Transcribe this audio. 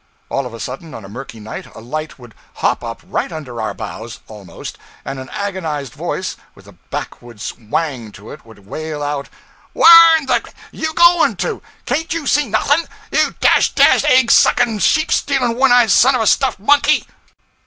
All of a sudden, on a murky night, a light would hop up, right under our bows, almost, and an agonized voice, with the backwoods 'whang' to it, would wail out 'Whar'n the you goin' to! Cain't you see nothin', you dash dashed aig suckin', sheep stealin', one eyed son of a stuffed monkey!'